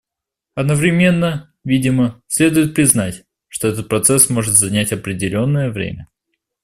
Одновременно, видимо, следует признать, что этот процесс может занять определенное время.